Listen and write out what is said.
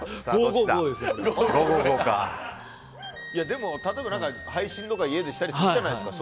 でも例えば配信とか家でしたりするじゃないですか。